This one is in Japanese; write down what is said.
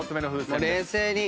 冷静に。